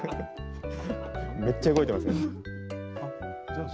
めっちゃ動いてますよ。